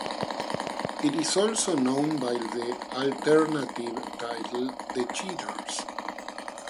It is also known by the alternative title The Cheaters.